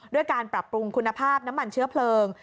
ด้วยการปรับปรุงคุณภาพน้ำมันเชื้อเพลิง